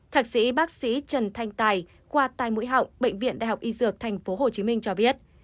thạc sĩ bác sĩ trần thanh tài khoa tai mũi họng bệnh viện đại học y dược tp hcm cho biết